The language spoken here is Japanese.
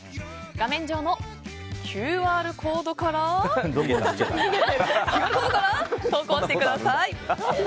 画面上のＱＲコードから投稿してください。